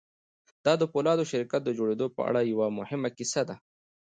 دا د پولادو شرکت د جوړېدو په اړه یوه مهمه کیسه ده